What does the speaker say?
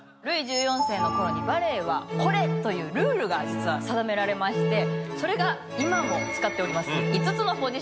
ルイ１４世の頃にバレエは「これ」というルールが実は定められましてそれが今も使っております。